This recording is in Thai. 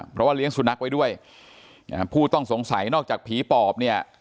เพราะว่าเลี้ยงสุนัขไว้ด้วยผู้ต้องสงสัยนอกจากผีปอบเนี่ย